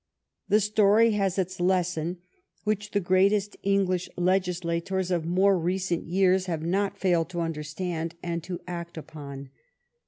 The story has its lesson, which the greatest English legislators of more recent years have not failed to understand and to act upon.